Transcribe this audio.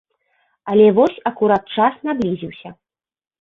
Але вось акурат час наблізіўся.